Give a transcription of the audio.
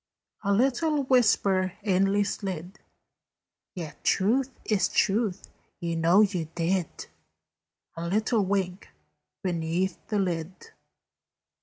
A little whisper inly slid, "Yet truth is truth: you know you did." A little wink beneath the lid.